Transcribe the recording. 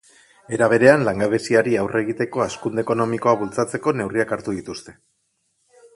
Era berean, langabeziari aurre egiteko hazkunde ekonomikoa bultzatzeko neurriak aztertu dituzte.